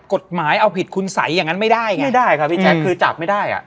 กฎหมายเอาผิดคุณสัยอย่างนั้นไม่ได้ไงไม่ได้ครับพี่แจ๊คคือจับไม่ได้อ่ะ